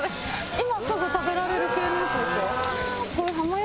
今すぐ食べられる系のやつですよ。